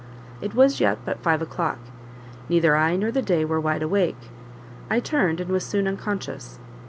It was yet but five o'clock; neither I nor the day were wide awake; I turned, and was soon unconscious.